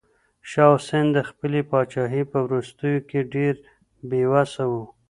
شاه حسين د خپلې پاچاهۍ په وروستيو کې ډېر بې وسه و.